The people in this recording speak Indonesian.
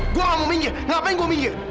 aku tidak mau minggir kenapa aku minggir